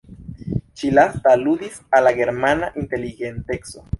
Ĉi-lasta aludis al la germana inteligenteco.